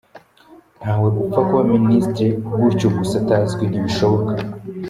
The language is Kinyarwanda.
ntawe upfa kuba Minister gutyo gusa atazwi, ntibishoboka.